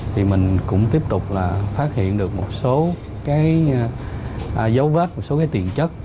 thì mình cũng tiếp tục là phát hiện được một số cái dấu vết một số cái tiền chất